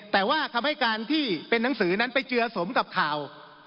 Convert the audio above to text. แต่ว่าคำให้การที่เป็นหนังสือนั้นไปเจือสมกับข่าว